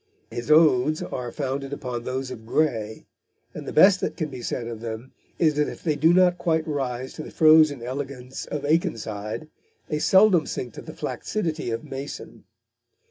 His odes are founded upon those of Gray, and the best that can be said of them is that if they do not quite rise to the frozen elegance of Akenside, they seldom sink to the flaccidity of Mason.